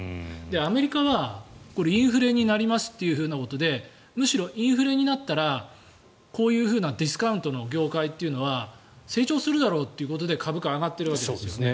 アメリカはインフレになりますということでむしろインフレになったらこういうディスカウントの業界は成長するだろうってことで株価は上がってるわけですよ。